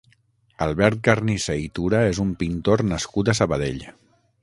Albert Carnicé i Tura és un pintor nascut a Sabadell.